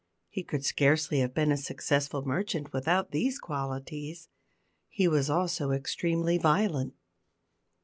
He could scarcely have been a successful merchant without these qualities. He was also extremely violent.